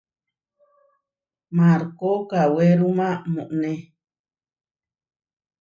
Markó kawéruma moʼoné.